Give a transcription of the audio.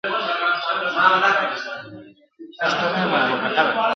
له سهاره راته ناست پر تش دېګدان دي !.